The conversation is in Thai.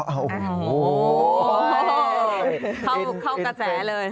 เข้ากระแจเลย